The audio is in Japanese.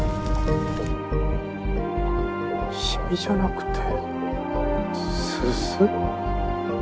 シミじゃなくて煤？